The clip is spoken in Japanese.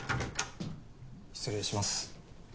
失礼します。